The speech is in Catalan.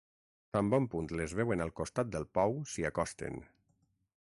Tan bon punt les veuen al costat del pou s'hi acosten.